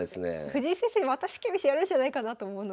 藤井先生また四間飛車やるんじゃないかなと思うので。